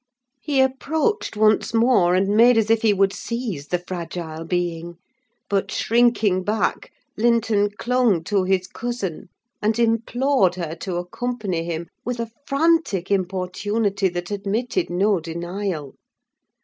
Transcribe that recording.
He approached once more, and made as if he would seize the fragile being; but, shrinking back, Linton clung to his cousin, and implored her to accompany him, with a frantic importunity that admitted no denial.